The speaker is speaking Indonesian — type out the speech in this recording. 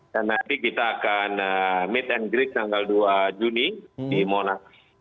dan nanti kita akan meet and greet tanggal dua juni di monaco